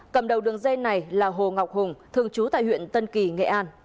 cầm đầu đường dây này là hồ ngọc hùng thường trú tại huyện tân kỳ nghệ an